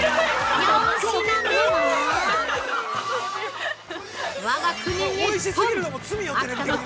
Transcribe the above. ◆４品目はわが国、日本！